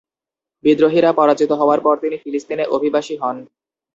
বিদ্রোহীরা পরাজিত হওয়ার পর তিনি ফিলিস্তিনে অভিবাসী হন।